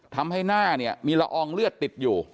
ทำให้หน้าเนี่ยมีละอองเลือดติดอยู่